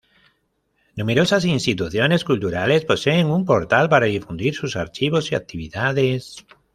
Numerosas instituciones culturales poseen un portal para difundir sus archivos y actividades.